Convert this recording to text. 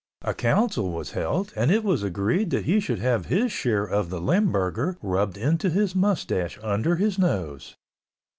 A council was held and it was agreed that he should have his share of the limburger rubbed into his moustache under his nose.